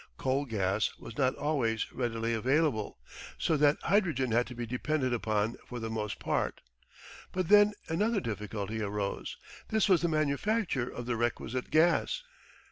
Coal gas was not always readily available, so that hydrogen had to be depended upon for the most part. But then another difficulty arose. This was the manufacture of the requisite gas.